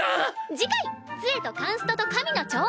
次回「杖とカンストと神の寵愛」。